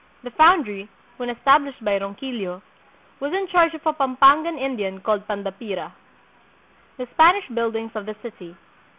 The foundry, when established by Ronquillo, was in charge of a Pampangan Indian called Pandapira. The Spanish Buildings of the City.